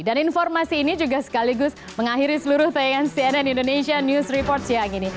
dan informasi ini juga sekaligus mengakhiri seluruh tayangan cnn indonesia news report siang ini